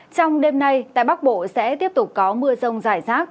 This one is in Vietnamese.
trong đêm nay tại bắc bộ sẽ tiếp tục có mưa rông rải rác